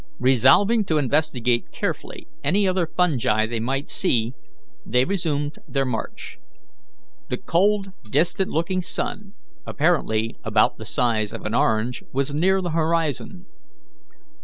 Resolving to investigate carefully any other fungi they might see, they resumed their march. The cold, distant looking sun, apparently about the size of an orange, was near the horizon.